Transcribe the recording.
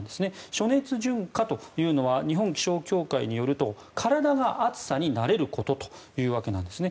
暑熱順化というのは日本気象協会によると体が暑さに慣れることというわけなんですね。